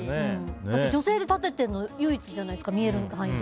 女性で立てているの唯一じゃないですか見える範囲で。